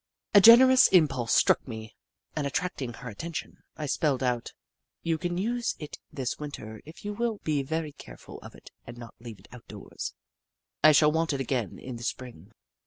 A generous im pulse struck me, and, attracting her attention, I spelled out :" You can use it this Winter if you will be very careful of it and not leave it outdoors. I shall want it again in the Spring."